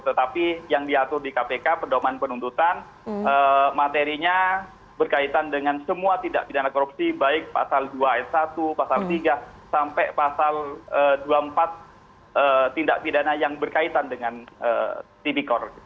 tetapi yang diatur di kpk pedoman penuntutan materinya berkaitan dengan semua tindak pidana korupsi baik pasal dua s satu pasal tiga sampai pasal dua puluh empat tindak pidana yang berkaitan dengan tipikor